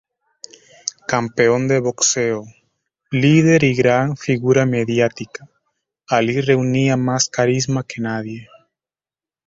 Campeón de boxeo, líder y gran figura mediática, Ali reunía más carisma que nadie.